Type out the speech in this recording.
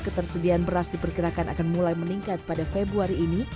ketersediaan beras diperkirakan akan mulai meningkat pada februari ini